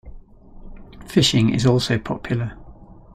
Fishing is also popular.